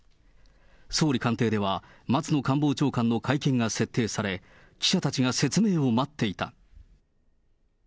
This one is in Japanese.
総理官邸では、松野官房長官の会見が設定され、記者たちが説明を待っていた。